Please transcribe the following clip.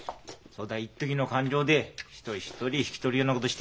そだ一時の感情で人一人引き取るようなことして。